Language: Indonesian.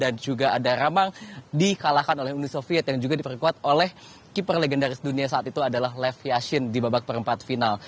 dan juga ada ramang dikalahkan oleh uni soviet yang juga diperkuat oleh keeper legendaris dunia saat itu adalah lev yashin di babak perempat final